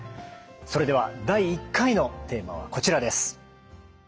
それでは第１回のテーマはこちらです。